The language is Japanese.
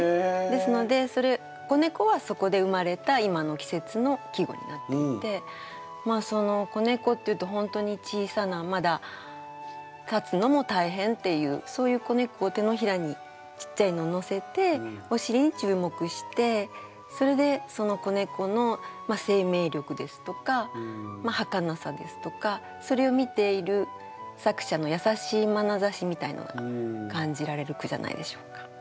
ですので子猫はそこで生まれたいまの季節の季語になっていてまあその子猫というと本当に小さなまだ立つのも大変っていうそういう子猫を手のひらにちっちゃいのをのせておしりに注目してそれでその子猫の生命力ですとかはかなさですとかそれを見ている作者の優しいまなざしみたいなのが感じられる句じゃないでしょうか。